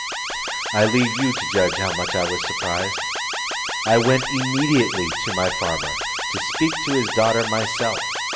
I leave you to judge how much I was surprised. I went immediately to my farmer, to speak to his daughter myself.